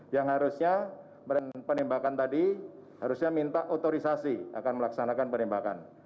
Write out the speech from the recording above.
yang harusnya penembakan tadi harusnya minta otorisasi akan melaksanakan penembakan